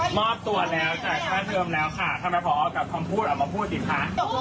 หมอบตรวจแล้วกระแทรงเริ่มแล้วค่ะทำไมพ่อกับคำพูดออกมาพูดสิค่ะ